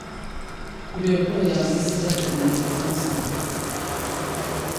Kur joprojām visi darbinieki bez maskām.